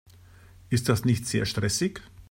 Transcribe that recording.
Ist das nicht sehr stressig?